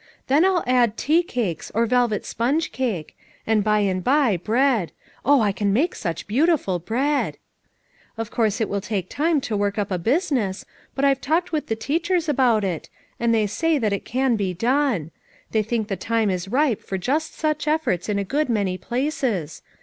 Then I'll add tea cakes, or velvet sponge cake; and by and by bread — oh, I can make such beautiful bread ! Of course it will take time to work up a business, but I've talked with the teachers about it; and they say it can be done; they think the time is ripe for just such efforts in a good many places.